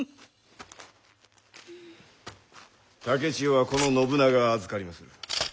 竹千代はこの信長が預かりまする。